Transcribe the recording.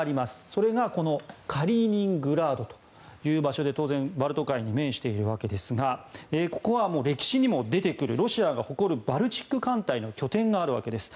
それが、このカリーニングラードという場所で当然、バルト海に面しているわけですがここは歴史にも出てくるロシアが誇るバルチック艦隊の拠点があるわけです。